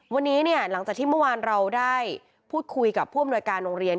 วันนี้เนี่ยหลังจากที่เมื่อวานเราได้พูดคุยกับผู้อำนวยการโรงเรียน